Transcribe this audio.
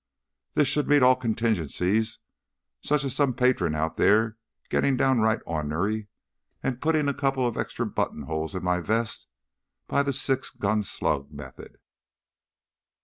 "This should meet all contingencies, such as some patron out there getting downright ornery and putting a couple of extra buttonholes in my vest by the six gun slug method."